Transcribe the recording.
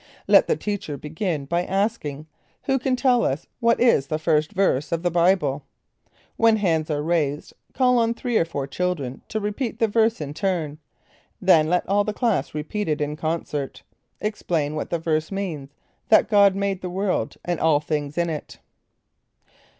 Let the teacher begin by asking, "Who can tell us what is the first verse of the Bible?" When hands are raised, call on three or four children to repeat the verse in turn; then let all the class repeat it in concert. Explain what the verse means, that God made the world, and all the things in it.